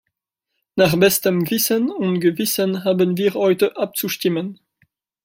Nach bestem Wissen und Gewissen haben wir heute abzustimmen.